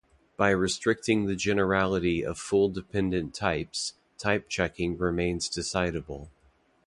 By restricting the generality of full dependent types type checking remains decidable.